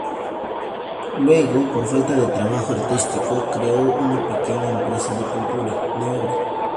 Luego, por falta de trabajo artístico, crea una pequeña empresa de pintura de obra.